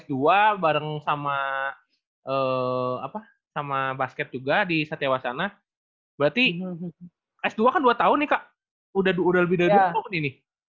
satya wacana ngambil s dua bareng sama basket juga di satya wacana berarti s dua kan dua tahun nih kak udah lebih dari dua tahun ini